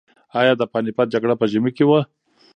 ایا د پاني پت جګړه په ژمي کې وه؟